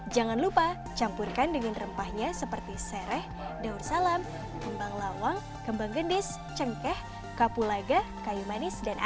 jangan lupa campurkan dengan rempahnya seperti sereh daun salam kembang lawang kembang gendis cengkeh kapulaga kayu manis dan ayam